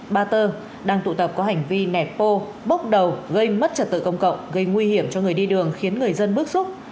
ba tơ đang tụ tập có hành vi nẹt pô bốc đầu gây mất trật tự công cộng gây nguy hiểm cho người đi đường khiến người dân bức xúc